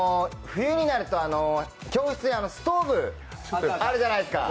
冬になると教室にストーブあるじゃないですか。